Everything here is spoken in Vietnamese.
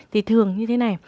thì thường như thế này